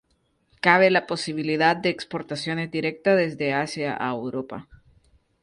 Cabe la posibilidad de exportaciones directas desde Asia a Europa.